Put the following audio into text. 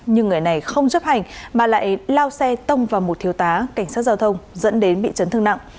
nhưng người này không chấp hành mà lại lao xe tông vào một thiếu tá cảnh sát giao thông dẫn đến bị chấn thương nặng